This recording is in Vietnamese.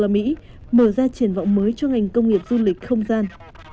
mở ra triển vọng mới cho ngành công nghiệp du lịch không gian